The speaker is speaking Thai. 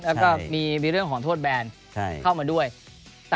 แล้วก็มีเรื่องของโทษแบนเข้ามาด้วย